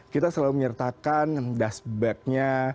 kita selalu menyertakan dust bag nya